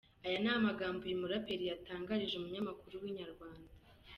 Aya ni amagambo uyu muraperi yatangarije umunyamakuru wa Inyarwanda.